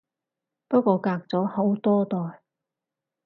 不過隔咗好多代